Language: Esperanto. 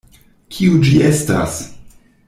Kio ĝi estas?